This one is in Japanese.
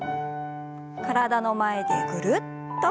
体の前でぐるっと。